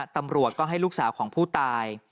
ตำรวจก็ให้ลูกสาวของผู้ตาย